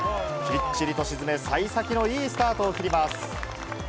きっちりと沈め、さい先のいいスタートを切ります。